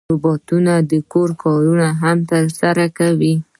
روبوټونه د کور کارونه هم ترسره کوي.